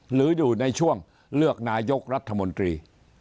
หรืออยู่ในช่วงเลือกนายกรัฐมนตรี